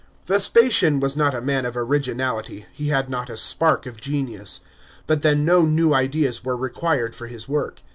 Vespasian was not a man of originality, he had not a spark of genius. But then no new ideas were required for his work.